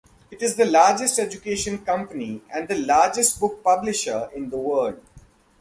It is the largest education company and the largest book publisher in the world.